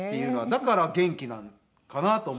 だから元気なんかなと思いながら。